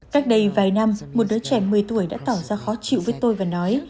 cách đây vài năm một đứa trẻ một mươi tuổi đã tỏ ra khó chịu với tôi và nói